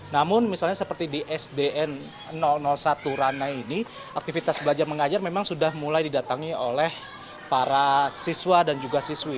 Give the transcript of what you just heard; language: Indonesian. namun misalnya seperti di sdn satu ranai ini aktivitas belajar mengajar memang sudah mulai didatangi oleh para siswa dan juga siswi